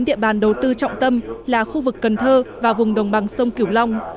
địa bàn đầu tư trọng tâm là khu vực cần thơ và vùng đồng bằng sông kiểu long